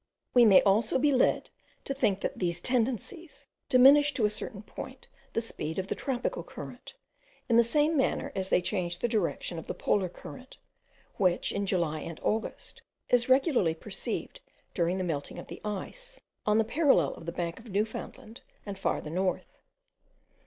We may also be led to think that these tendencies diminish to a certain point the speed of the tropical current, in the same manner as they change the direction of the polar current, which in July and August, is regularly perceived during the melting of the ice, on the parallel of the bank of Newfoundland, and farther north.